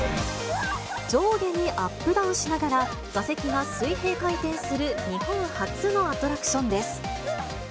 上下にアップダウンしながら、座席が水平回転する日本初のアトラクションです。